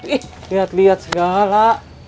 eh lihat lihat segala